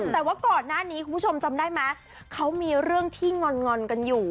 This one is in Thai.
แต่ว่าก่อนหน้านี้คุณผู้ชมจำได้ไหมเขามีเรื่องที่งอนกันอยู่